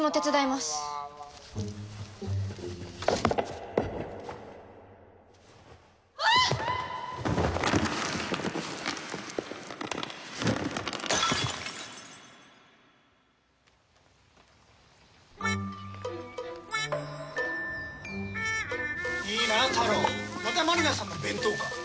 また真利菜さんの弁当か。